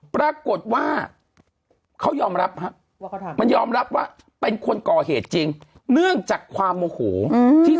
ปรากฏว่าเขายอมรับครับมันยอมรับว่าเป็นคนก่อเหตุจริงเนื่องจากความโมโหที่